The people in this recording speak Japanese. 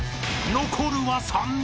［残るは３人］